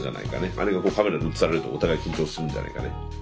あれがカメラで写されるとお互い緊張するんじゃないかね。